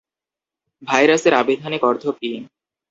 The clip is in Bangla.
ভাইরাসের আভিধানিক অর্থ কী?